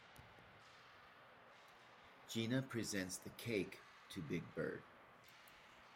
Gina presents the cake to Big Bird.